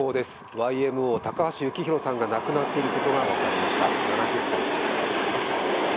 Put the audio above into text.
ＹＭＯ・高橋幸宏さんが亡くなっていることが分かりました、７０歳でした。